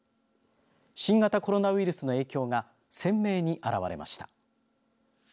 新型コロナウイルスの影響が鮮明に表れました。